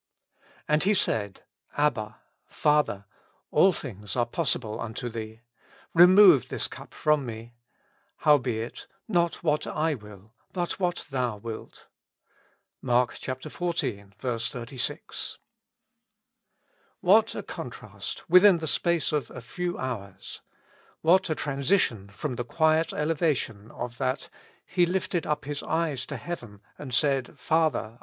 And He said^ Abba^ Father^ all things are possible unto Thee ; remove this ctip from me ; howbeit not zvhat I will ^ but xuhat Thou wilt. — MARK xiv. 36. WHAT a contrast within the space of a few hours ! What a transition from the quiet elevation of that, *' He lifted up His eyes to heaven, and said, Father